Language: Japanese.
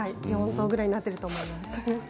４層ぐらいになっていると思うんです。